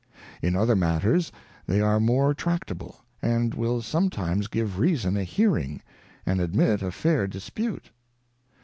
In other matters they are more tractable, and will sometimes give Reason a hearing, and admit a fair Dispute.